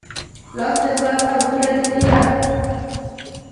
لاس دي خلاص او توره دي تیره